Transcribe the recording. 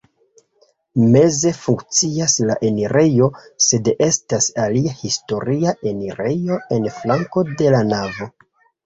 Meze funkcias la enirejo, sed estas alia historia enirejo en flanko de la navo.